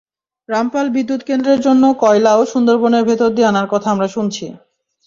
রামপাল বিদ্যুৎ কেন্দ্রের জন্য কয়লাও সুন্দরবনের ভেতর দিয়ে আনার কথা আমরা শুনছি।